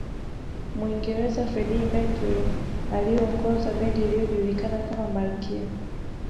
Muingereza Freddie Mercury aliyeongoza bendi iliyojulikana kama malkia